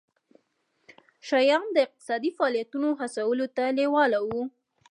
شیام د اقتصادي فعالیتونو هڅولو ته لېواله وو.